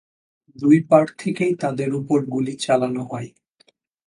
দুই পাড় থেকেই তাদের উপর গুলি চালানো হয়।